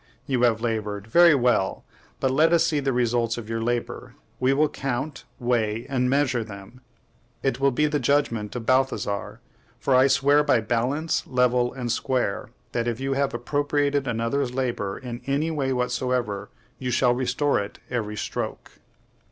You have labored! very well; but let us see the results of your labor. We will count, weigh, and measure them. It will be the judgment of Balthasar; for I swear by balance, level, and square, that if you have appropriated another's labor in any way whatsoever, you shall restore it every stroke.